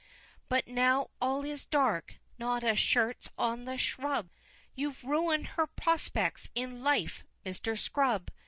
But now all is dark not a shirt's on a shrub You've ruin'd her prospects in life, Mr. Scrub!